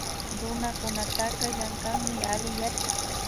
Runakunataka llankanmi alli yachik